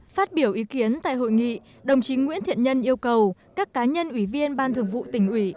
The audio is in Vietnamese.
phát biểu ý kiến tại hội nghị đồng chí nguyễn thiện nhân yêu cầu các cá nhân ủy viên ban thường vụ tỉnh ủy